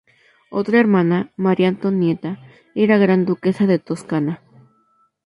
Otra hermana, María Antonieta, era gran duquesa de Toscana.